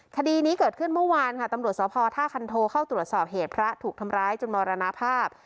คดีนี้เกิดขึ้นเมื่อวานค่ะตำรวจสภท่าคันโทเข้าตรวจสอบเหตุพระถูกทำร้ายจนมรณภาพ